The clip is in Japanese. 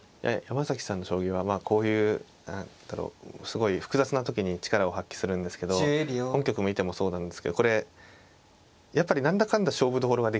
山崎さんの将棋はまあこういう何だろうすごい複雑な時に力を発揮するんですけど本局見てもそうなんですけどこれやっぱり何だかんだ勝負どころができるじゃないですか。